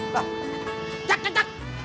loh cak cak cak